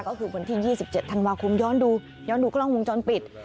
ก็คือวันที่๒๗ธันวาคมย้อนดูย้อนดูกล้องวงจรปิด